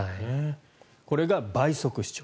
これが倍速視聴。